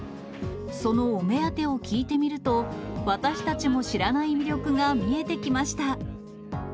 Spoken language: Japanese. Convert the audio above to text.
そのお目当てを聞いてみると、私たちも知らない魅力が見えてきました。